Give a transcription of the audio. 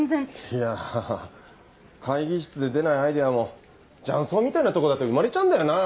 いや会議室で出ないアイデアも雀荘みたいなとこだと生まれちゃうんだよな。